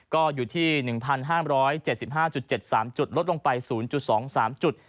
ก็อยู่ที่๑๕๗๕๗๓จุดลดลงไป๐๒๓จุด